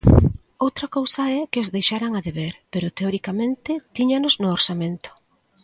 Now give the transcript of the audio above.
Outra cousa é que os deixaran a deber, pero teoricamente tíñanos no orzamento.